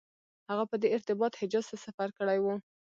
هغه په دې ارتباط حجاز ته سفر کړی و.